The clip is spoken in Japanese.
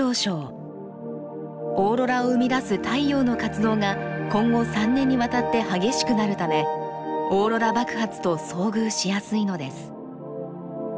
オーロラを生み出す太陽の活動が今後３年にわたって激しくなるためオーロラ爆発と遭遇しやすいのです。